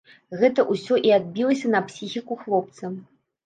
Гэта ўсё і адбілася на псіхіку хлопца.